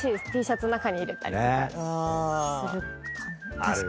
Ｔシャツ中に入れたりとかする確かに。